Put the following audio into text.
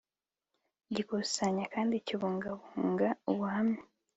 gikusanya kandi kibungabunga ubuhamya